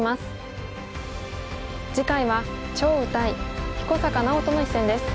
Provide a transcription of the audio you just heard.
次回は張栩対彦坂直人の一戦です。